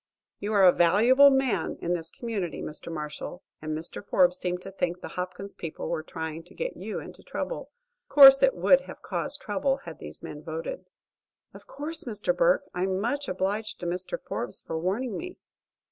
"You are a valuable man in this community, Mr. Marshall, and Mr. Forbes seemed to think the Hopkins people were trying to get you into trouble. Of course it would have caused trouble had these men voted." "Of course, Mr. Burke. I'm much obliged to Mr. Forbes for warning me."